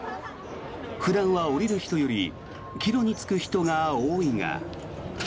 普段は、降りる人より帰路に就く人が多いが。